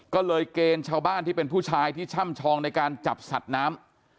ก็เลยเกณฑ์ชาวบ้านที่เป็นผู้ชายที่ช่ำชองในการจับสัตว์น้ำ